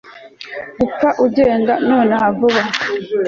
gupfa, ugende, nonaha vuba